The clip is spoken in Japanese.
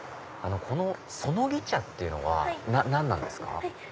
このそのぎ茶っていうのは何なんですか？